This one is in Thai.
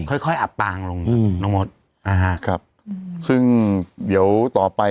ค่อยค่อยอาบปางลงลงหมดอาฮะครับซึ่งเดี๋ยวต่อไป